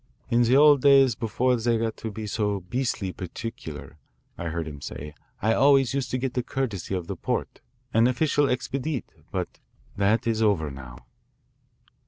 "In the old days, before they got to be so beastly particular," I heard him say, "I always used to get the courtesy of the port, an official expedite. But that is over now."